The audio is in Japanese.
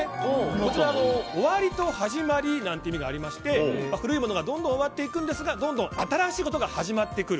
こちらは終わりと始まりという意味がありまして古いものがどんどん終わっていくんですがどんどん新しいものが始まってくる。